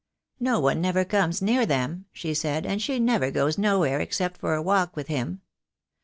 'No one never comes near them,' she said, 'and she never goes nowhere except for a walk with him.